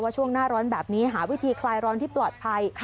ช่วงหน้าร้อนแบบนี้หาวิธีคลายร้อนที่ปลอดภัย